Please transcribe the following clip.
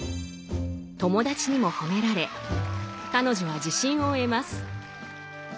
友達にも褒められ彼女は自信を得ます。